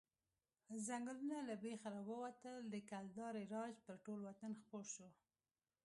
ځنګلونه له بېخه ووتل، د کلدارې راج پر ټول وطن خپور شو.